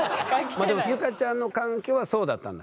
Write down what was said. まあでも結香ちゃんの環境はそうだったんだ。